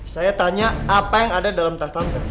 saya tanya apa yang ada dalam tas tante